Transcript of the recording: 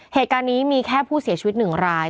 เหตุการณ์นี้มีแค่ผู้เสียชีวิต๑ราย